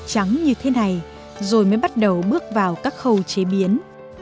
trắng như thế này rồi mới bắt đầu bước vào các khâu chế biến